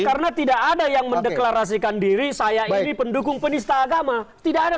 karena tidak ada yang mendeklarasikan diri saya ini pendukung penista agama tidak ada